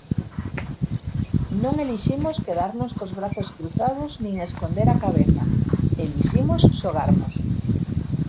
Non eliximos quedarnos cos brazos cruzados nin esconder a cabeza, eliximos xogarmos.